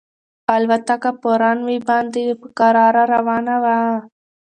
الوتکه په رن وې باندې په کراره روانه وه.